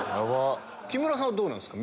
木村さんはどうなんですか？